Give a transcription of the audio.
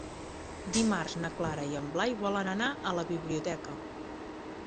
Dimarts na Carla i en Blai volen anar a la biblioteca.